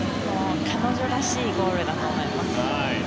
彼女らしいゴールだと思います。